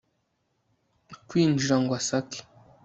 kwinjira ngo asake